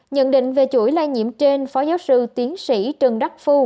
nhận định về chuỗi lây nhiễm trên phó giáo sư tiến sĩ trần đắc phu